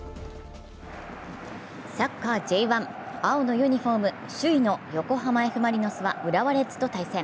サッカーＪ１、青のユニフォーム、首位の横浜Ｆ・マリノスは浦和レッズと対戦。